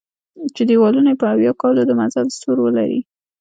چې دېوالونه به یې اویا کالو د مزل سور ولري.